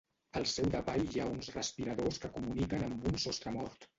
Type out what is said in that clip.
Al seu davall hi ha uns respiradors que comuniquen amb un sostremort.